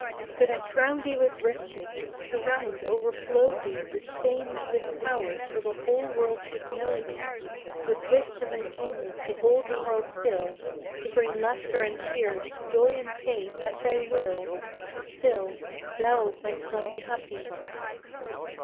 Could I crown thee with riches! Surround, overflow thee With fame and with power till the whole world should know thee; With wisdom and genius to hold the world still, To bring laughter and tears, joy and pain, at thy will, Still thou mightst not be happy!